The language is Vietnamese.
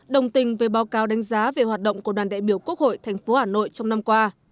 đồng tình với báo cáo đánh giá về hoạt động của đoàn đại biểu quốc hội tp hà nội trong năm qua